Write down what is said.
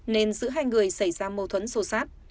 nên giữ hai người xảy ra mâu thuẫn sâu sát